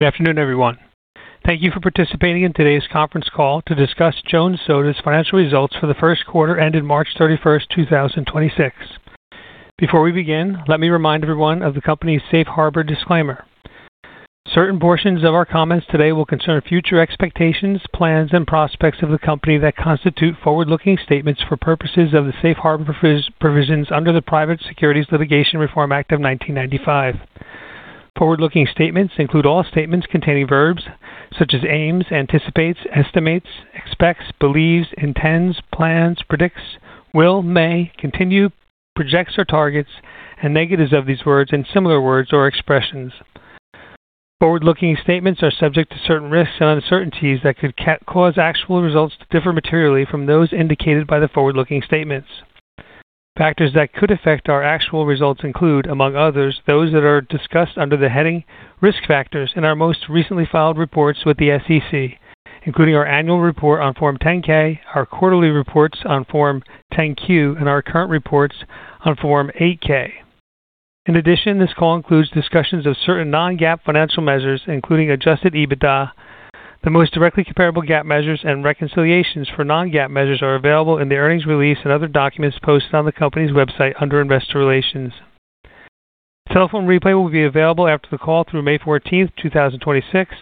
Good afternoon, everyone. Thank you for participating in today's conference call to discuss Jones Soda's financial results for the first quarter ended March 31st, 2026. Before we begin, let me remind everyone of the company's Safe Harbor disclaimer. Certain portions of our comments today will concern future expectations, plans, and prospects of the company that constitute forward-looking statements for purposes of the safe harbor provisions under the Private Securities Litigation Reform Act of 1995. Forward-looking statements include all statements containing verbs such as aims, anticipates, estimates, expects, believes, intends, plans, predicts, will, may, continue, projects or targets, and negatives of these words and similar words or expressions. Forward-looking statements are subject to certain risks and uncertainties that could cause actual results to differ materially from those indicated by the forward-looking statements. Factors that could affect our actual results include, among others, those that are discussed under the heading Risk Factors in our most recently filed reports with the SEC, including our annual report on Form 10-K, our quarterly reports on Form 10-Q, and our current reports on Form 8-K. In addition, this call includes discussions of certain non-GAAP financial measures, including adjusted EBITDA. The most directly comparable GAAP measures and reconciliations for non-GAAP measures are available in the earnings release and other documents posted on the company's website under Investor Relations. Telephone replay will be available after the call through May 14th, 2026,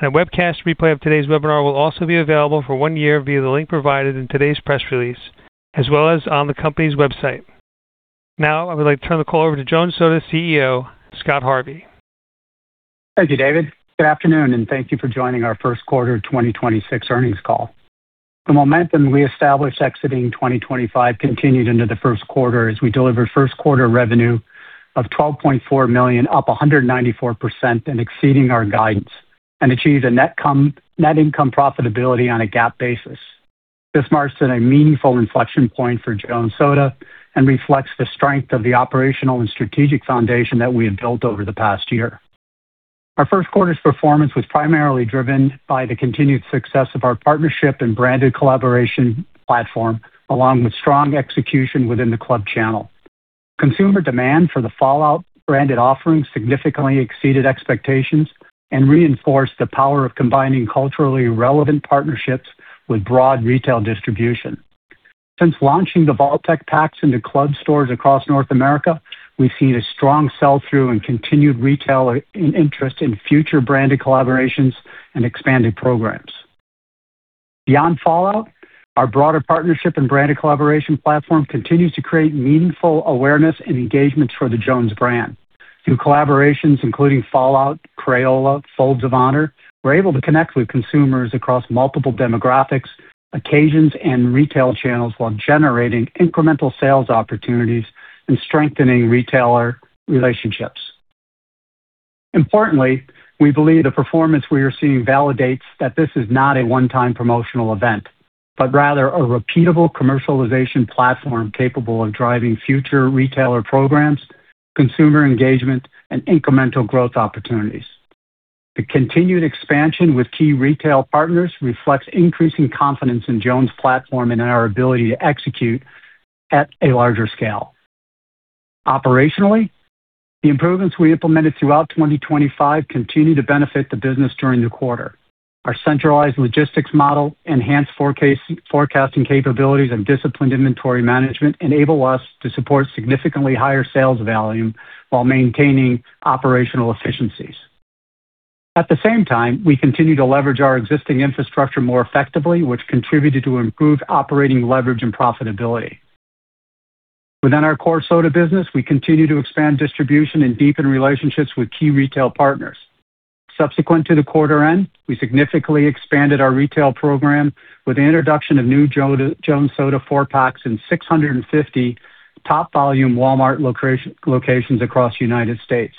and a webcast replay of today's webinar will also be available for one year via the link provided in today's press release, as well as on the company's website. Now, I would like to turn the call over to Jones Soda CEO, Scott Harvey. Thank you, David. Good afternoon, and thank you for joining our first quarter 2026 earnings call. The momentum we established exiting 2025 continued into the first quarter as we delivered first quarter revenue of $12.4 million, up 194% and exceeding our guidance, and achieved net income profitability on a GAAP basis. This marks at a meaningful inflection point for Jones Soda and reflects the strength of the operational and strategic foundation that we have built over the past year. Our first quarter's performance was primarily driven by the continued success of our partnership and branded collaboration platform, along with strong execution within the club channel. Consumer demand for the Fallout branded offerings significantly exceeded expectations and reinforced the power of combining culturally relevant partnerships with broad retail distribution. Since launching the Vault-Tec packs into club stores across North America, we've seen a strong sell-through and continued retailer in interest in future branded collaborations and expanded programs. Beyond Fallout, our broader partnership and branded collaboration platform continues to create meaningful awareness and engagements for the Jones brand. Through collaborations including Fallout, Crayola, Folds of Honor, we're able to connect with consumers across multiple demographics, occasions, and retail channels while generating incremental sales opportunities and strengthening retailer relationships. Importantly, we believe the performance we are seeing validates that this is not a one-time promotional event, but rather a repeatable commercialization platform capable of driving future retailer programs, consumer engagement, and incremental growth opportunities. The continued expansion with key retail partners reflects increasing confidence in Jones platform and in our ability to execute at a larger scale. Operationally, the improvements we implemented throughout 2025 continue to benefit the business during the quarter. Our centralized logistics model, enhanced forecasting capabilities, and disciplined inventory management enable us to support significantly higher sales volume while maintaining operational efficiencies. At the same time, we continue to leverage our existing infrastructure more effectively, which contributed to improved operating leverage and profitability. Within our core soda business, we continue to expand distribution and deepen relationships with key retail partners. Subsequent to the quarter end, we significantly expanded our retail program with the introduction of new Jones Soda four-packs in 650 top volume Walmart locations across the United States.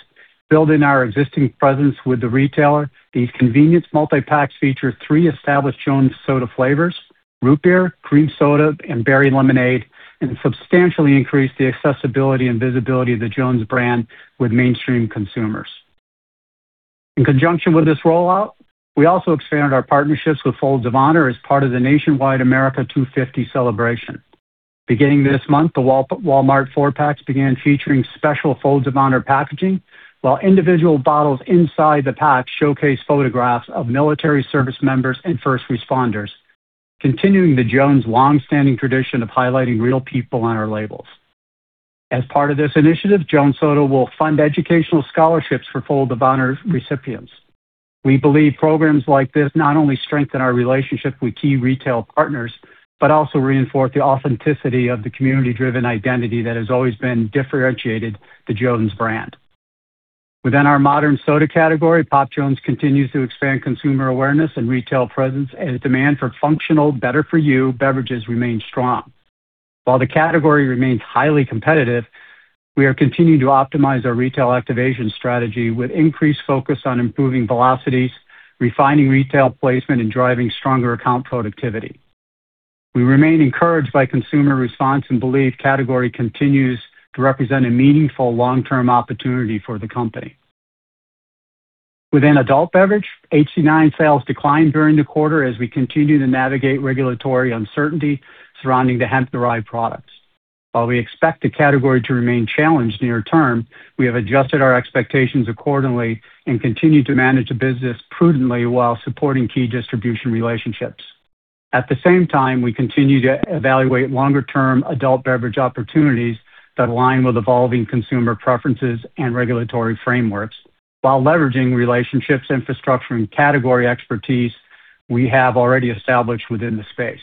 Building our existing presence with the retailer, these convenience multi-packs feature three established Jones Soda flavors, Root Beer, Cream Soda, and Berry Lemonade, and substantially increase the accessibility and visibility of the Jones brand with mainstream consumers. In conjunction with this rollout, we also expanded our partnerships with Folds of Honor as part of the nationwide America 250 celebration. Beginning this month, the Walmart four-packs began featuring special Folds of Honor packaging, while individual bottles inside the pack showcase photographs of military service members and first responders, continuing the Jones' longstanding tradition of highlighting real people on our labels. As part of this initiative, Jones Soda will fund educational scholarships for Folds of Honor recipients. We believe programs like this not only strengthen our relationship with key retail partners, but also reinforce the authenticity of the community-driven identity that has always been differentiated the Jones brand. Within our modern soda category, Jones continues to expand consumer awareness and retail presence as demand for functional better for you beverages remain strong. While the category remains highly competitive, we are continuing to optimize our retail activation strategy with increased focus on improving velocities, refining retail placement, and driving stronger account productivity. We remain encouraged by consumer response and believe category continues to represent a meaningful long-term opportunity for the company. Within adult beverage, HD9 sales declined during the quarter as we continue to navigate regulatory uncertainty surrounding the hemp-derived products. While we expect the category to remain challenged near term, we have adjusted our expectations accordingly and continue to manage the business prudently while supporting key distribution relationships. At the same time, we continue to evaluate longer-term adult beverage opportunities that align with evolving consumer preferences and regulatory frameworks while leveraging relationships, infrastructure, and category expertise we have already established within the space.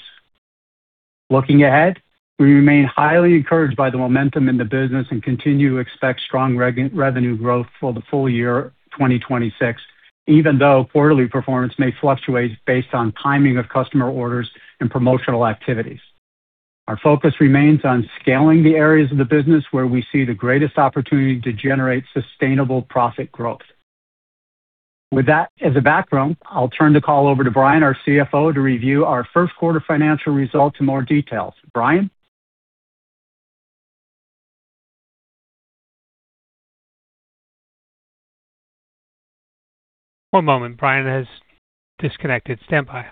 Looking ahead, we remain highly encouraged by the momentum in the business and continue to expect strong record revenue growth for the full year 2026, even though quarterly performance may fluctuate based on timing of customer orders and promotional activities. Our focus remains on scaling the areas of the business where we see the greatest opportunity to generate sustainable profit growth. With that as a background, I'll turn the call over to Brian, our CFO, to review our first quarter financial results in more details. Brian? One moment. Brian has disconnected. Standby.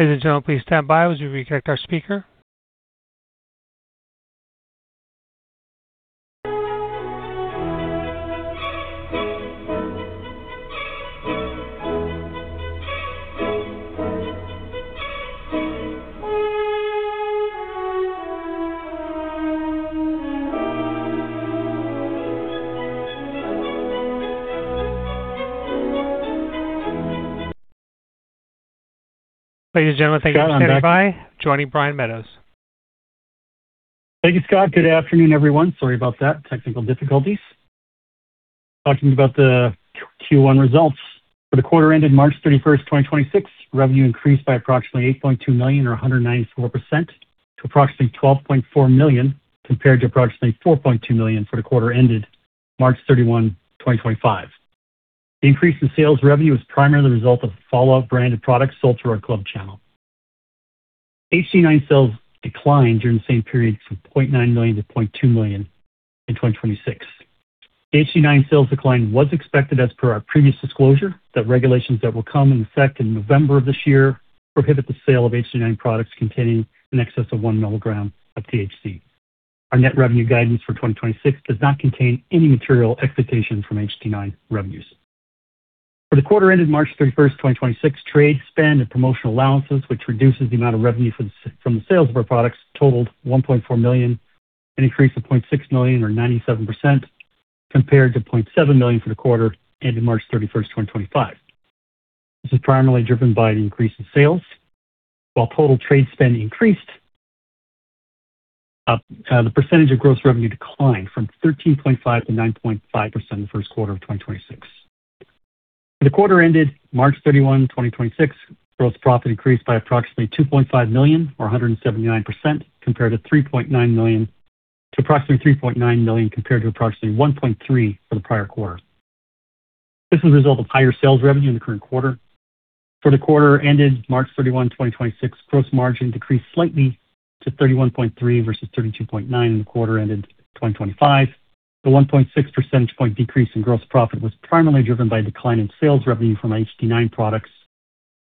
Ladies and gentlemen, please stand by as we reconnect our speaker. Ladies and gentlemen, thank you for standing by. Joining Brian Meadows. Thank you, Scott. Good afternoon, everyone. Sorry about that. Technical difficulties. Talking about the Q1 results. For the quarter ended March 31st, 2026, revenue increased by approximately $8.2 million or 194% to approximately $12.4 million, compared to approximately $4.2 million for the quarter ended March 31st, 2025. The increase in sales revenue is primarily the result of Fallout branded products sold through our club channel. HD9 sales declined during the same period from $0.9 million-$0.2 million in 2026. HD9 sales decline was expected as per our previous disclosure that regulations that will come in effect in November of this year prohibit the sale of HD9 products containing in excess of 1 mg of THC. Our net revenue guidance for 2026 does not contain any material expectation from HD9 revenues. For the quarter ended March 31st, 2026, trade spend and promotional allowances, which reduces the amount of revenue from the sales of our products, totaled $1.4 million, an increase of $0.6 million or 97% compared to $0.7 million for the quarter ending March 31st, 2025. This is primarily driven by an increase in sales. While total trade spend increased, the percentage of gross revenue declined from 13.5%-9.5% in the first quarter of 2026. For the quarter ended March 31st, 2026, gross profit increased by approximately $2.5 million or 179% to approximately $3.9 million, compared to approximately $1.3 million for the prior quarter. This is a result of higher sales revenue in the current quarter. For the quarter ended March 31st, 2026, gross margin decreased slightly to 31.3% versus 32.9% in the quarter ended 2025. The 1.6 percentage point decrease in gross profit was primarily driven by a decline in sales revenue from our HD9 products,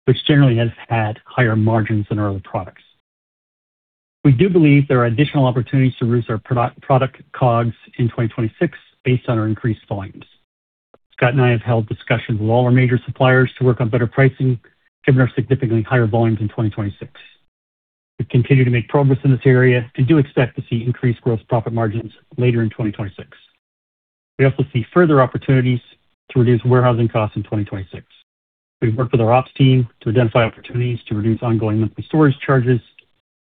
which generally has had higher margins than our other products. We do believe there are additional opportunities to reduce our product COGS in 2026 based on our increased volumes. Scott and I have held discussions with all our major suppliers to work on better pricing given our significantly higher volumes in 2026. We continue to make progress in this area and do expect to see increased gross profit margins later in 2026. We also see further opportunities to reduce warehousing costs in 2026. We've worked with our ops team to identify opportunities to reduce ongoing monthly storage charges.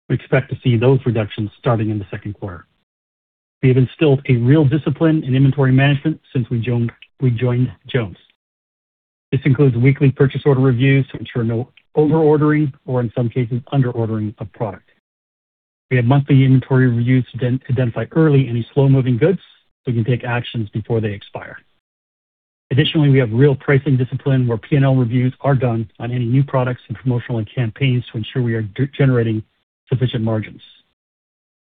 We expect to see those reductions starting in the second quarter. We have instilled a real discipline in inventory management since we joined Jones. This includes weekly purchase order reviews to ensure no over-ordering or, in some cases, under-ordering of product. We have monthly inventory reviews to identify early any slow-moving goods so we can take actions before they expire. Additionally, we have real pricing discipline where P&L reviews are done on any new products and promotional campaigns to ensure we are generating sufficient margins.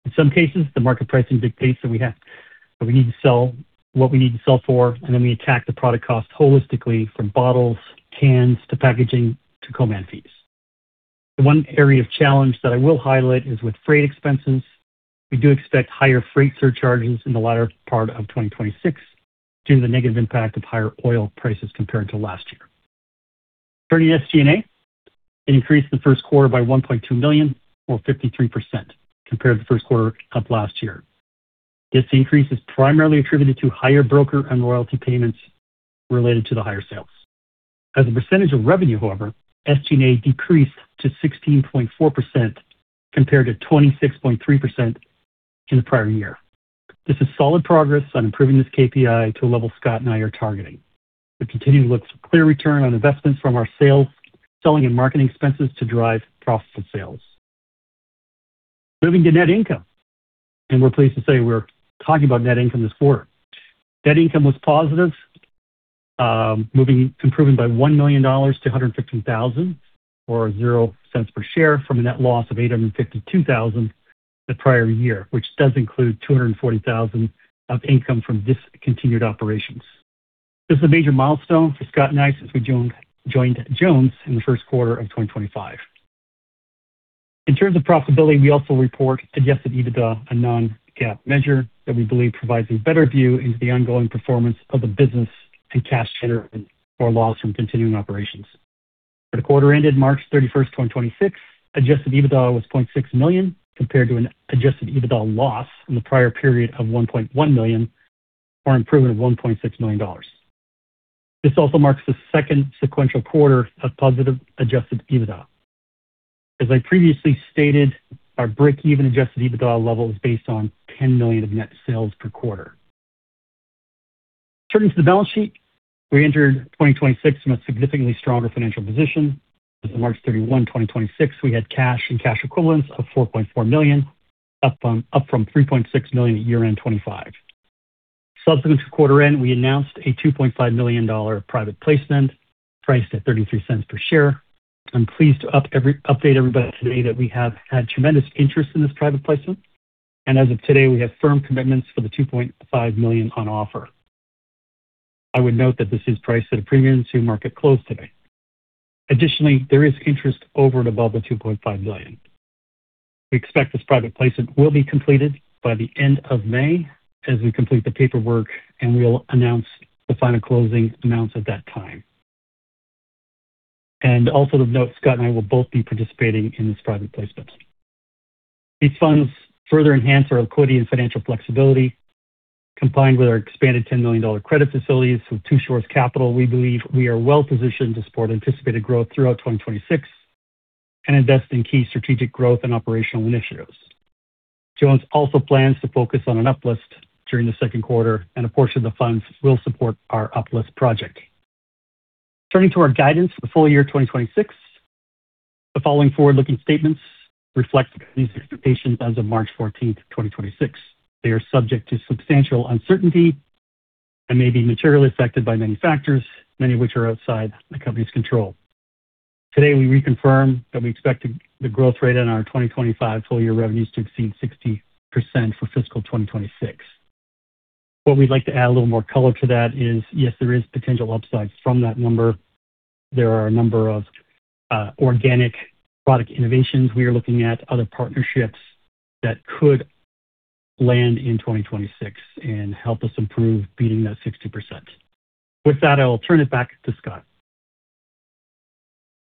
In some cases, the market pricing dictates what we need to sell for, and then we attack the product cost holistically from bottles, cans, to packaging, to co-man fees. The one area of challenge that I will highlight is with freight expenses. We do expect higher freight surcharges in the latter part of 2026 due to the negative impact of higher oil prices compared to last year. Turning to SG&A, it increased in the first quarter by $1.2 million or 53% compared to the first quarter of last year. This increase is primarily attributed to higher broker and royalty payments related to the higher sales. As a percentage of revenue, however, SG&A decreased to 16.4% compared to 26.3% in the prior year. This is solid progress on improving this KPI to a level Scott and I are targeting. We continue to look for clear return on investments from our sales, selling and marketing expenses to drive profitable sales. Moving to net income, we're pleased to say we're talking about net income this quarter. Net income was positive. Improving by $1 million-$115,000, or $0.00 per share, from a net loss of $852,000 the prior year, which does include $240,000 of income from discontinued operations. This is a major milestone for Scott and I since we joined Jones in the first quarter of 2025. In terms of profitability, we also report adjusted EBITDA, a non-GAAP measure that we believe provides a better view into the ongoing performance of the business and cash generation or loss from continuing operations. For the quarter ended March 31st, 2026, adjusted EBITDA was $0.6 million compared to an adjusted EBITDA loss in the prior period of $1.1 million, or an improvement of $1.6 million. This also marks the second sequential quarter of positive adjusted EBITDA. As I previously stated, our break-even adjusted EBITDA level is based on $10 million of net sales per quarter. Turning to the balance sheet. We entered 2026 from a significantly stronger financial position. As of March 31st, 2026, we had cash and cash equivalents of $4.4 million, up from $3.6 million at year-end 2025. Subsequent to quarter end, we announced a $2.5 million private placement priced at $0.33 per share. I'm pleased to update everybody today that we have had tremendous interest in this private placement. As of today, we have firm commitments for the $2.5 million on offer. I would note that this is priced at a premium to market close today. Additionally, there is interest over and above the $2.5 million. We expect this private placement will be completed by the end of May as we complete the paperwork. We'll announce the final closing amounts at that time. Also of note, Scott and I will both be participating in this private placement. These funds further enhance our liquidity and financial flexibility. Combined with our expanded $10 million credit facilities with Two Shores Capital, we believe we are well-positioned to support anticipated growth throughout 2026 and invest in key strategic growth and operational initiatives. Jones also plans to focus on an up-list during the second quarter. A portion of the funds will support our up-list project. Turning to our guidance for full year 2026, the following forward-looking statements reflect the company's expectations as of March 14th, 2026. They are subject to substantial uncertainty and may be materially affected by many factors, many of which are outside the company's control. Today, we reconfirm that we expect the growth rate on our 2025 full year revenues to exceed 60% for fiscal 2026. What we'd like to add a little more color to that is, yes, there is potential upsides from that number. There are a number of organic product innovations we are looking at, other partnerships that could land in 2026 and help us improve beating that 60%. With that, I will turn it back to Scott.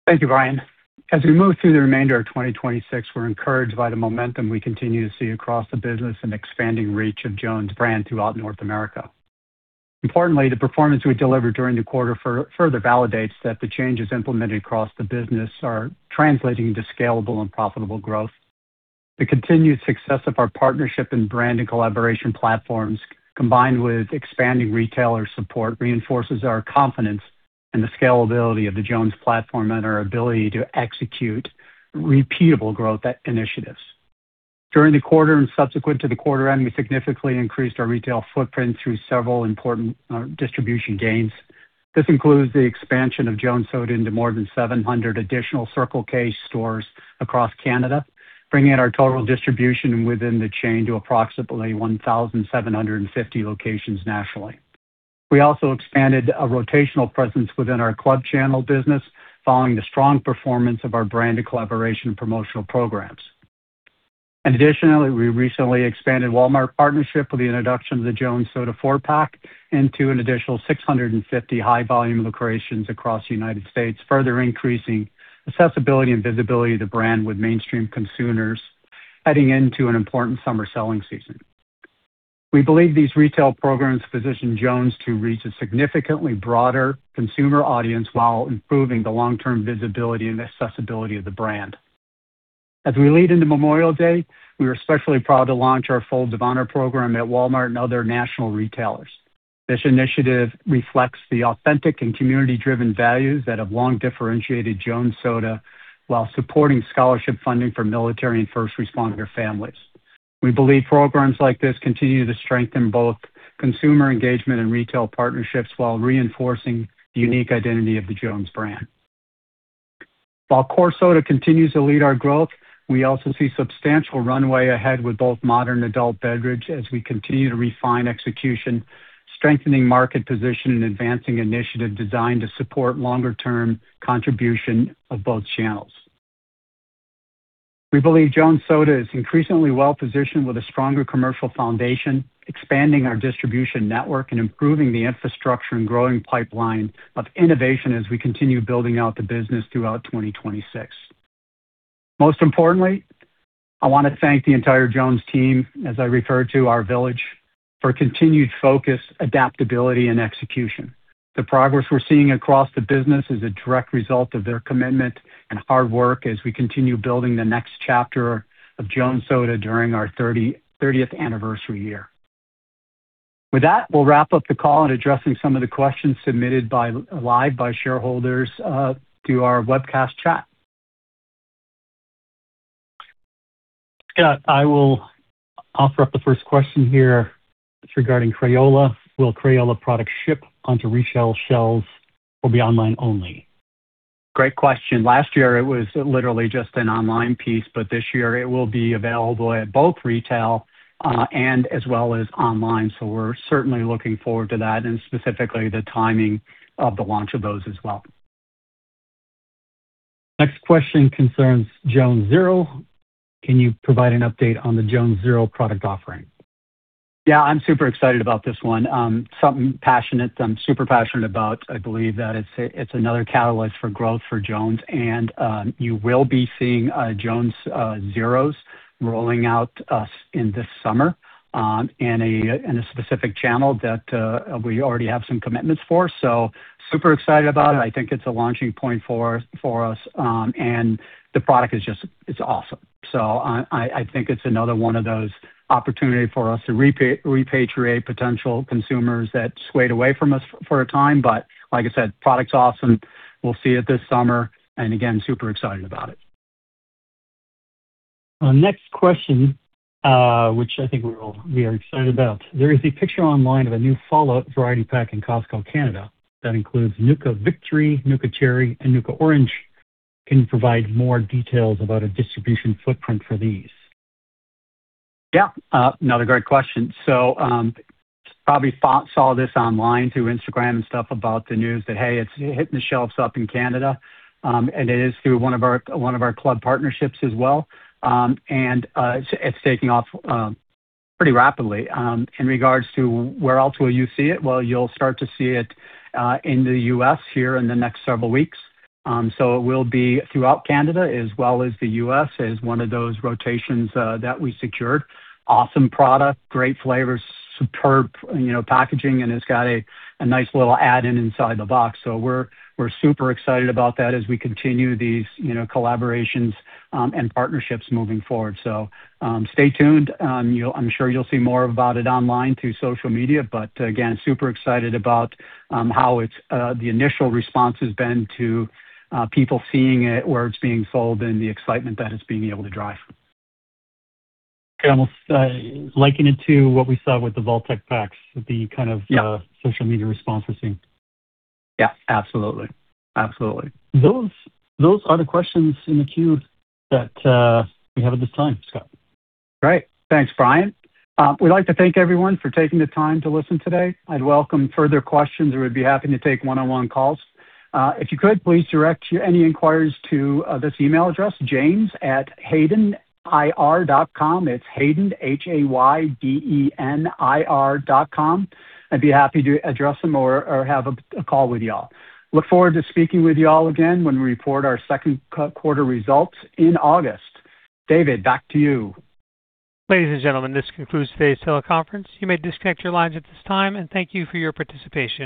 Thank you, Brian. As we move through the remainder of 2026, we're encouraged by the momentum we continue to see across the business and expanding reach of Jones brand throughout North America. Importantly, the performance we delivered during the quarter further validates that the changes implemented across the business are translating into scalable and profitable growth. The continued success of our partnership and brand and collaboration platforms, combined with expanding retailer support, reinforces our confidence in the scalability of the Jones platform and our ability to execute repeatable growth initiatives. During the quarter and subsequent to the quarter end, we significantly increased our retail footprint through several important distribution gains. This includes the expansion of Jones Soda into more than 700 additional Circle K stores across Canada, bringing our total distribution within the chain to approximately 1,750 locations nationally. We also expanded a rotational presence within our club channel business following the strong performance of our brand and collaboration promotional programs. Additionally, we recently expanded Walmart partnership with the introduction of the Jones Soda four-pack into an additional 650 high-volume locations across the United States, further increasing accessibility and visibility of the brand with mainstream consumers heading into an important summer selling season. We believe these retail programs position Jones to reach a significantly broader consumer audience while improving the long-term visibility and accessibility of the brand. As we lead into Memorial Day, we are especially proud to launch our Folds of Honor program at Walmart and other national retailers. This initiative reflects the authentic and community-driven values that have long differentiated Jones Soda while supporting scholarship funding for military and first responder families. We believe programs like this continue to strengthen both consumer engagement and retail partnerships while reinforcing the unique identity of the Jones brand. While core soda continues to lead our growth, we also see substantial runway ahead with both modern adult beverage as we continue to refine execution, strengthening market position, and advancing initiatives designed to support longer-term contribution of both channels. We believe Jones Soda is increasingly well-positioned with a stronger commercial foundation, expanding our distribution network, and improving the infrastructure and growing pipeline of innovation as we continue building out the business throughout 2026. Most importantly, I want to thank the entire Jones team, as I refer to our village, for continued focus, adaptability, and execution. The progress we're seeing across the business is a direct result of their commitment and hard work as we continue building the next chapter of Jones Soda during our thirtieth anniversary year. With that, we'll wrap up the call and addressing some of the questions submitted live by shareholders through our webcast chat. Scott, I will offer up the first question here. It's regarding Crayola. Will Crayola products ship onto retail shelves or be online only? Great question. Last year it was literally just an online piece. This year it will be available at both retail, and as well as online. We're certainly looking forward to that and specifically the timing of the launch of those as well. Next question concerns Jones Zero. Can you provide an update on the Jones Zero product offering? Yeah, I'm super excited about this one. Something passionate, I'm super passionate about. I believe that it's another catalyst for growth for Jones and you will be seeing Jones Zero rolling out this summer in a specific channel that we already have some commitments for. Super excited about it. I think it's a launching point for us. The product is just It's awesome. I think it's another one of those opportunity for us to repatriate potential consumers that swayed away from us for a time. Like I said, product's awesome. We'll see it this summer, again, super excited about it. Our next question, which I think we are excited about. There is a picture online of a new Fallout variety pack in Costco Canada that includes Nuka-Cola Victory, Nuka Cherry and Nuka Orange. Can you provide more details about a distribution footprint for these? Yeah, another great question. Probably saw this online through Instagram and stuff about the news that, hey, it's hitting the shelves up in Canada. It is through one of our club partnerships as well. It's taking off pretty rapidly. In regards to where else will you see it? Well, you'll start to see it in the U.S. here in the next several weeks. It will be throughout Canada as well as the U.S. as one of those rotations that we secured. Awesome product, great flavors, superb, you know, packaging. It's got a nice little add-in inside the box. We're super excited about that as we continue these, you know, collaborations and partnerships moving forward. Stay tuned. I'm sure you'll see more about it online through social media. Again, super excited about how it's the initial response has been to people seeing it, where it's being sold and the excitement that it's being able to drive. Okay. Almost, linking it to what we saw with the Vault-Tec packs. Yeah. Social media response we're seeing. Yeah, absolutely. Absolutely. Those are the questions in the queue that we have at this time, Scott. Great. Thanks, Brian. We'd like to thank everyone for taking the time to listen today. I'd welcome further questions, or we'd be happy to take one-on-one calls. If you could, please direct any inquiries to this email address, james@haydenir.com. It's Hayden, H-A-Y-D-E-N-I-R.com. I'd be happy to address them or have a call with y'all. Look forward to speaking with you all again when we report our second quarter results in August. David, back to you. Ladies and gentlemen, this concludes today's teleconference. You may disconnect your lines at this time and thank you for your participation.